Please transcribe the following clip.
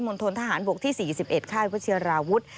ณฑนทหารบกที่๔๑ค่ายวัชิราวุฒิ